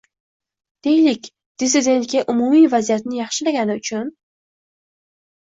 Deylik, “dissidentga” umumiy vaziyatni yaxshilagani uchun